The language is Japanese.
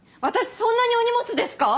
そんなにお荷物ですか！？